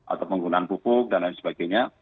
atau penggunaan pupuk dan lain sebagainya